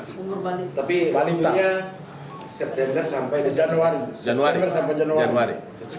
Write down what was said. tapi balitanya januari sampai januari